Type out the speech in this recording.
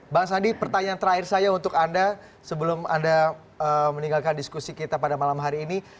bang sandi pertanyaan terakhir saya untuk anda sebelum anda meninggalkan diskusi kita pada malam hari ini